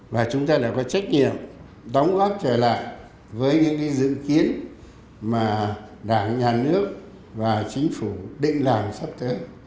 và chúng ta lại có trách nhiệm đóng góp trở lại với những dự kiến mà đảng nhà nước và chính phủ định làm sắp tới